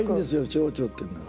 蝶々っていうのは。